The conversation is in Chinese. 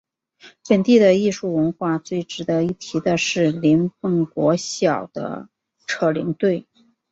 本地的艺术文化最值得一提的是林凤国小的扯铃队。